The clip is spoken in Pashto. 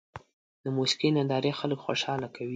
د موسیقۍ نندارې خلک خوشحاله کوي.